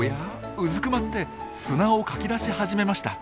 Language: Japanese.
うずくまって砂をかきだし始めました。